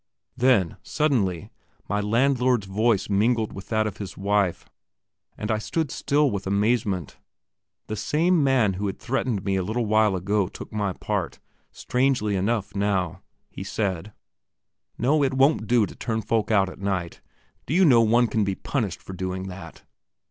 Then, suddenly my landlord's voice mingled with that of his wife, and I stood still with amazement. The same man who had threatened me a while ago took my part, strangely enough now. He said: "No, it won't do to turn folk out at night; do you know one can be punished for doing that?"